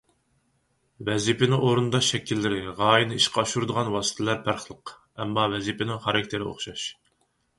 ۋەزىپىنى ئورۇنداش شەكىللىرى، غايىنى ئىشقا ئاشۇرىدىغان ۋاسىتىلەر پەرقلىق، ئەمما ۋەزىپىنىڭ خاراكتېرى ئوخشاش.